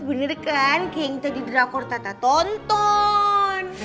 bener kan kayak yang tadi drakor tata tonton